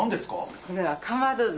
これはかまど！？